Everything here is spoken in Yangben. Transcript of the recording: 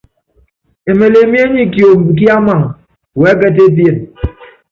Emelemié nyɛ kiombi ki Amaŋ wɛɛ́kɛ́t epíén.